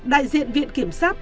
đại diện viện kiểm sát